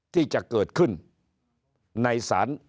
ที่จะเกิดขึ้นในศาล